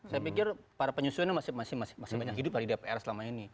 saya pikir para penyusunya masih banyak hidup dari dpr selama ini